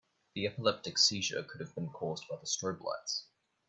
The epileptic seizure could have been cause by the strobe lights.